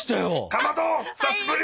かまど久しぶり！